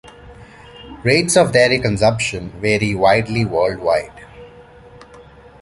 Rates of dairy consumption vary widely worldwide.